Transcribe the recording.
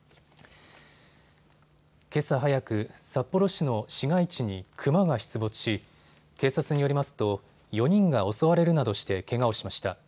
けさ早く、札幌市の市街地にクマが出没し、警察によりますと４人が襲われるなどしてけがをしました。